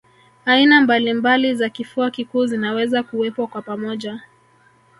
Aina mbalimbali za kifua kikuu zinaweza kuwepo kwa pamoja